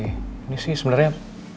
ini sih sebenarnya